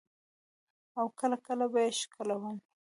او کله کله به يې ښکلولم.